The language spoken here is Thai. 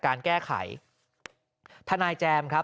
กรุงเทพฯมหานครทำไปแล้วนะครับ